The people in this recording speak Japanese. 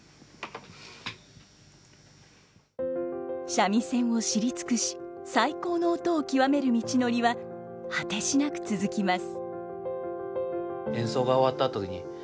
三味線を知り尽くし最高の音を極める道のりは果てしなく続きます。